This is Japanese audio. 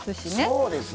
そうですね。